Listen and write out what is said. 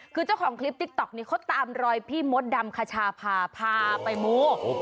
คือเจ้าของคลิปติ๊กต๊อกนี้เขาตามรอยพี่มดดำคชาพาพาไปมู